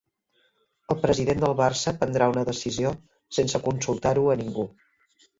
El president del Barça prendrà una decisió sense consultar-ho a ningú